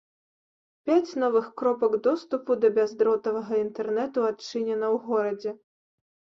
Пяць новых кропак доступу да бяздротавага інтэрнэту адчынена ў горадзе.